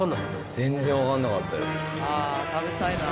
全然分かんなかったです。